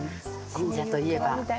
神社といえば。